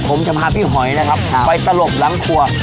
ผมจะพาพี่หอยไปสลบหลังคั่ว